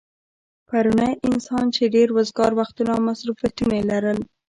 پرونی انسان چې ډېر وزگار وختونه او مصروفيتونه يې لرل